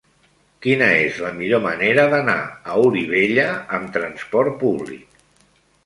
Quina és la millor manera d'anar a Olivella amb trasport públic?